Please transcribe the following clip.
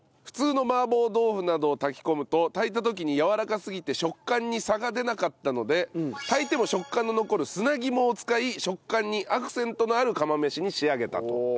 普通の麻婆豆腐などを炊き込むと炊いた時にやわらかすぎて食感に差が出なかったので炊いても食感の残る砂肝を使い食感にアクセントのある釜飯に仕上げたと。